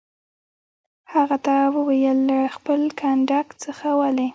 هغه ته وویل: له خپل کنډک څخه ولې.